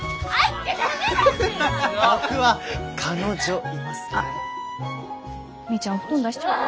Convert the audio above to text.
僕は彼女いますから。